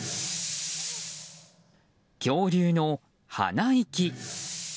恐竜の鼻息。